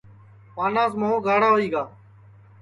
پاناس موھ گاھڑا ہوئی گا